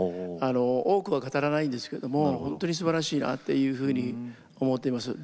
多くは語らないんですけれども本当にすばらしいなと思っています。